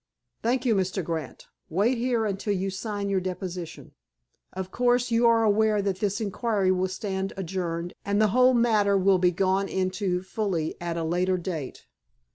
"Thank you, Mr. Grant. Wait here until you sign your deposition. Of course, you are aware that this inquiry will stand adjourned, and the whole matter will be gone into fully at a later date."